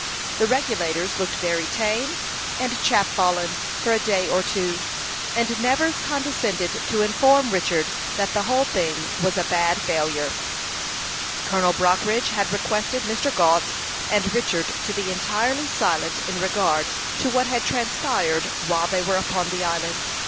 The Regulators looked very tame and "chapfallen" for a day or two; and Nevers condescended to inform Richard that the whole thing was a bad failure. Colonel Brockridge had requested Mr. Gault and Richard to be entirely silent in regard to what had transpired while they were upon the island.